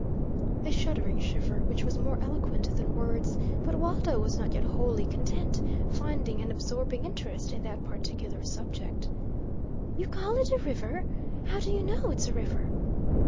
A shuddering shiver which was more eloquent than words; but Waldo was not yet wholly content, finding an absorbing interest in that particular subject. "You call it a river: how do you know it's a river?"